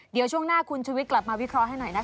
เดี๋ยวช่วงหน้าคุณชุวิตกลับมาวิเคราะห์ให้หน่อยนะคะ